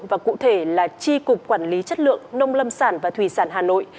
và cụ thể là tri cục quản lý chất lượng nông lâm sản và thủy sản hà nội